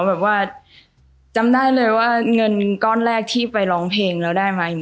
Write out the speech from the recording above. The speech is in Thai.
แบบว่าจำได้เลยว่าเงินก้อนแรกที่ไปร้องเพลงแล้วได้ไหม